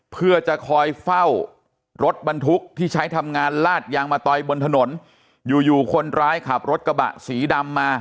เพื่อจะคอยเฝ้ารถบรรทุกที่ใช้ทำงานลาดยางมะตอยบนถนนอยู่อยู่คนร้ายขับรถกระบะสีดำมา